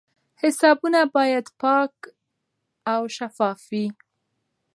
حسابونه باید پاک او شفاف وي.